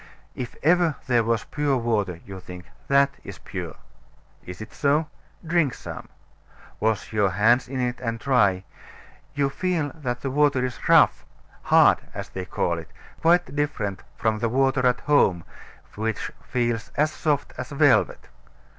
If ever there was pure water, you think, that is pure. Is it so? Drink some. Wash your hands in it and try You feel that the water is rough, hard (as they call it), quite different from the water at home, which feels as soft as velvet.